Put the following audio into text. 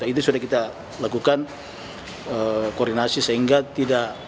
itu sudah kita lakukan koordinasi sehingga tidak